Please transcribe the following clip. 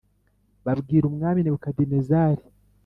Babwira Umwami Nebukadinezari